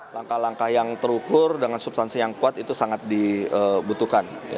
langkah langkah yang terukur dengan substansi yang kuat itu sangat dibutuhkan